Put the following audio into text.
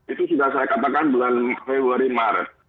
itu sudah saya katakan bulan februari maret